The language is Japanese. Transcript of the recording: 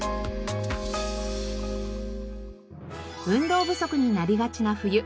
運動不足になりがちな冬。